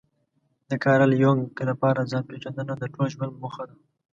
د کارل يونګ لپاره ځان پېژندنه د ټول ژوند موخه ده.